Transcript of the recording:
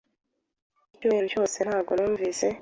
Icyumweru cyose ntabwo numvise .